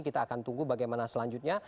kita akan tunggu bagaimana selanjutnya